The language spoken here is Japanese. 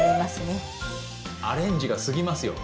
ちょっとアレンジが過ぎますよ。